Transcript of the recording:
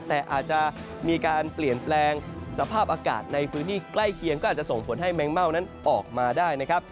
แต่อาจจะมีการเปลี่ยนแปลงสภาพอากาศในพื้นที่ใกล้เคียงก็อาจจะส่งผลให้แมงเม่านั้นออกมาได้นะครับ